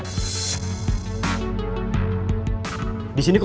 padahal luwanger karena dia indictd